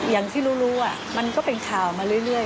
อย่างที่รู้มันก็เป็นข่าวมาเรื่อย